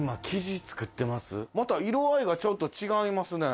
また色合いがちょっと違いますね。